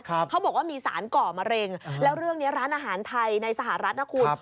เขาบอกว่ามีสารก่อมะเร็งแล้วเรื่องเนี้ยร้านอาหารไทยในสหรัฐนะคุณ